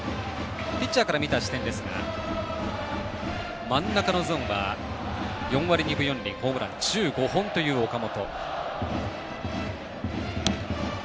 ピッチャーから見た視点ですが真ん中のゾーンは４割２分２厘ホームラン１５本の、岡本。